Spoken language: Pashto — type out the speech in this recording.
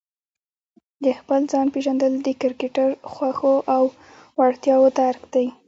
د خپل ځان پېژندل د کرکټر، خوښو او وړتیاوو درک دی.